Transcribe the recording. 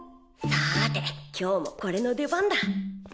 さて今日もこれの出番だ。